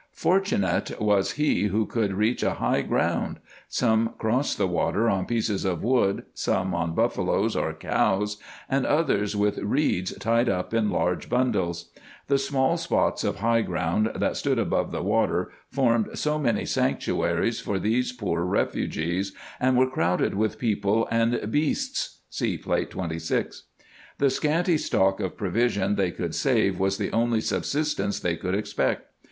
Fortunate was he who could reach a high ground. Some crossed the water on pieces of wood, some on buffaloes or cows, and others with reeds tied up in large bundles. The small spots of high ground, that stood above the water, formed so many sanctuaries for these poor refugees, and were crowded with people and beasts (See Plate 2G). The scanty stock of provision they could save was the only subsistence they could expect.